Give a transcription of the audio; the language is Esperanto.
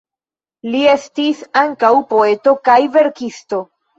Li estis ankaŭ poeto kaj verkisto.